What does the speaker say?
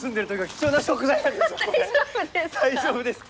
大丈夫ですか？